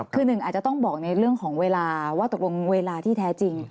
คือหนึ่งอาจจะต้องบอกในเรื่องของเวลาว่าตกลงเวลาที่แท้จริง